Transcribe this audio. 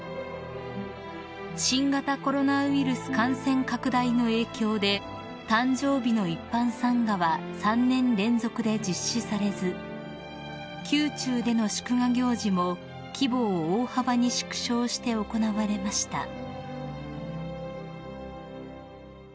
［新型コロナウイルス感染拡大の影響で誕生日の一般参賀は３年連続で実施されず宮中での祝賀行事も規模を大幅に縮小して行われました］